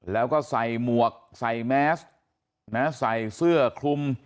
แล้วก็ใส่หมวกใส่แมสใส่เสื้อคลุม